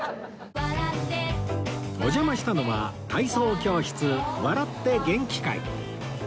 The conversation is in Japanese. お邪魔したのは体操教室笑ってげんき会